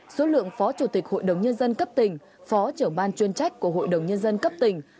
số lượng phó chủ tịch hội đồng nhân dân cấp tỉnh phó trưởng ban chuyên trách của hội đồng nhân dân cấp tỉnh